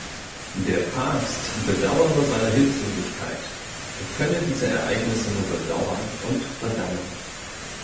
Der Papst bedauere seine Hilflosigkeit, er könne diese Ereignisse nur bedauern und verdammen.